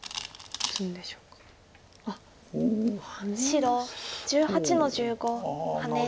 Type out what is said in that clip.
白１８の十五ハネ。